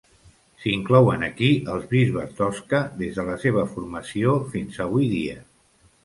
S'inclouen aquí els bisbes d'Osca des de la seva formació fins avui dia.